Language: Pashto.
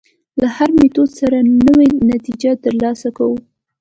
له هر میتود سره نوې نتیجې تر لاسه کوو.